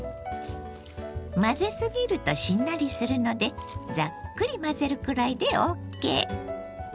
混ぜすぎるとしんなりするのでザックリ混ぜるくらいでＯＫ。